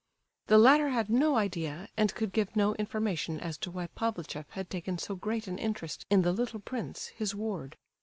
The latter had no idea and could give no information as to why Pavlicheff had taken so great an interest in the little prince, his ward.